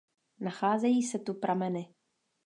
Nacházejí se tu prameny.